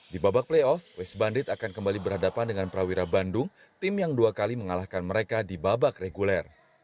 di babak playoff west bandit akan kembali berhadapan dengan prawira bandung tim yang dua kali mengalahkan mereka di babak reguler